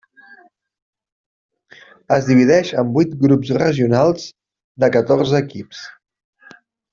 Es divideix en vuits grups regionals de catorze equips.